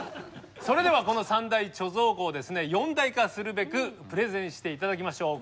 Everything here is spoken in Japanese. それではこの三大貯蔵庫をですね四大化するべくプレゼンして頂きましょう。